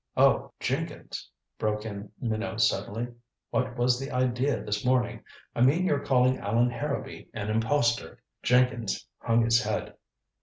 "Oh Jenkins," broke in Minot suddenly. "What was the idea this morning? I mean your calling Allan Harrowby an impostor?" Jenkins hung his head.